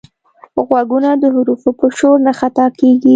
غوږونه د حرفو په شور نه خطا کېږي